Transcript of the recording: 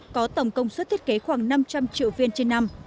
có tổng công suất thiết kế khoảng năm trăm linh triệu viên trên năm